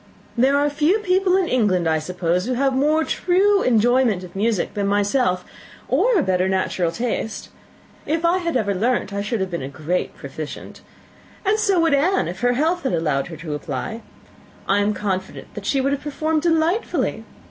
There are few people in England, I suppose, who have more true enjoyment of music than myself, or a better natural taste. If I had ever learnt, I should have been a great proficient. And so would Anne, if her health had allowed her to apply. I am confident that she would have performed delightfully.